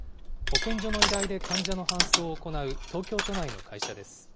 保健所の依頼で患者の搬送を行う東京都内の会社です。